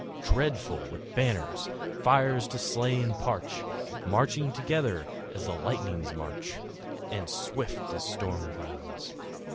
Dreadful with banners, fire to slay and parch, Marching together as the lightnings march, And swift as storm clouds.